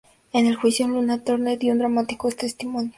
En el juicio, Lana Turner dio un dramático testimonio.